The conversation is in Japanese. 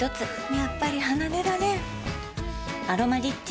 やっぱり離れられん「アロマリッチ」